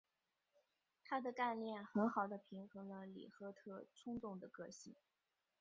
她的干练很好地平衡了里赫特冲动的个性。